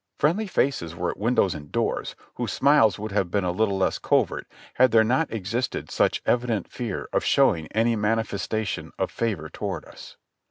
Friendly faces were at windows and doors, whose smiles would have been a little less covert had there not existed such evident fear of showing any manifestation of favor toward us.